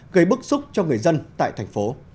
gây bức xúc cho người dân tại thành phố